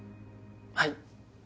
はい。